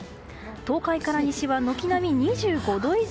東海から西は軒並み２５度以上。